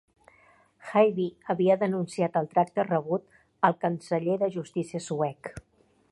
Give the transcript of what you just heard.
Haijby havia denunciat el tracte rebut al canceller de justícia suec.